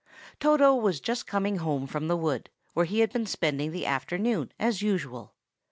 Toto was just coming home from the wood, where he had been spending the afternoon, as usual.